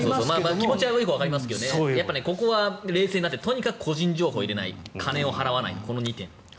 気持ちはよくわかりますけどここは冷静になってとにかく個人情報を入れない金を払わない